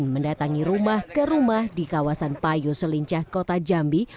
mendatangi rumah ke rumah di kawasan payu selincah kota jambi